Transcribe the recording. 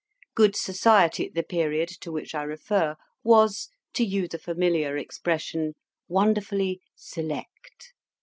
Good society at the period to which I refer was, to use a familiar expression, wonderfully "select."